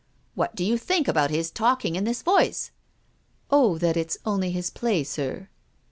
"" What do you think about his talking in this voice ?" Oh, that it's only his play, sir."